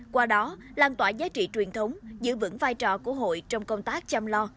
qua đó lan tỏa giá trị truyền thống giữ vững vai trò của hội trong công tác chăm lo